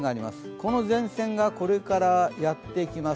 この前線がこれからやってきます。